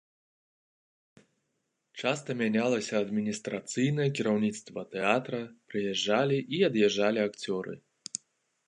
Часта мянялася адміністрацыйнае кіраўніцтва тэатра, прыязджалі і ад'язджалі акцёры.